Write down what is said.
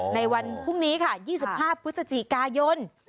ในวันพรุ่งนี้ค่ะ๒๕พฤศจิกายน